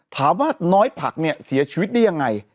ถามว่าน้อยผักเนี่ยเสียชีวิตได้ยังไง